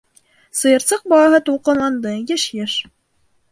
Сыйырсыҡ балаһы тулҡынланды, йыш-йыш: